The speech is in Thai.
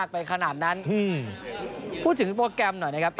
พูดถึงโปรแกรมหน่อยนะครับ